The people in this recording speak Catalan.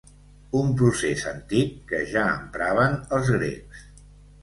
Un procés antic que ja empraven els grecs.